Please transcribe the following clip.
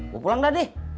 gua pulang dah di